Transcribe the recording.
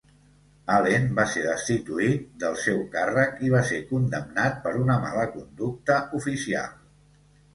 Allen va ser destituït del seu càrrec i va ser condemnat per una mala conducta oficial.